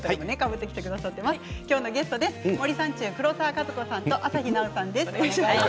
今日のゲストは森三中の黒沢かずこさんと朝日奈央さんです。